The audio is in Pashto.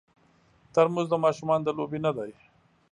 ترموز د ماشومانو د لوبې نه دی.